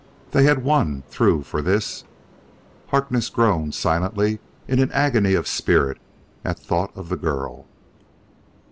They had won through for this!... Harkness groaned silently in an agony of spirit at thought of the girl.